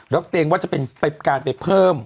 แล้วเกรงว่าจะเป็นการไปเพิ่ม